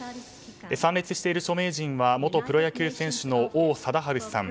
参列している著名人は元プロ野球の王貞治さん